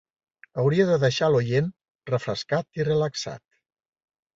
Hauria de deixar l'oient refrescat i relaxat.